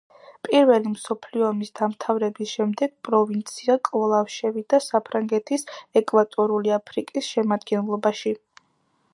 პირველი მსოფლიო ომის დამთავრების შემდეგ პროვინცია კვლავ შევიდა საფრანგეთის ეკვატორული აფრიკის შემადგენლობაში.